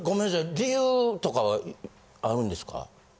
理由とかはあるんですか？